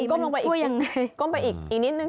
คุณก้มลงไปอีกอีกนิดนึง